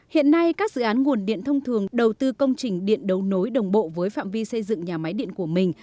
hiện nay các dự án nguồn điện thông thường đầu tư công trình điện đấu nối đồng bộ với phạm vi xây dựng nhà máy điện của mình